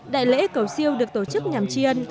đại lễ cầu siêu được tổ chức nhằm tri ân